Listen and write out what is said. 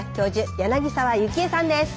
柳沢幸江さんです。